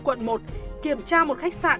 quận một kiểm tra một khách sạn